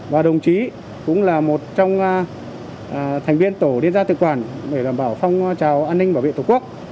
và đồng chí cũng là một trong thành viên tổ liên gia tự quản để đảm bảo phong trào an ninh bảo vệ tổ quốc